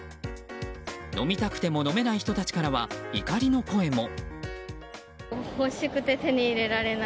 飲みたくても飲めない人たちからは怒りの声も。